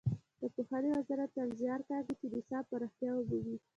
د پوهنې وزارت تل زیار کاږي چې نصاب پراختیا ومومي.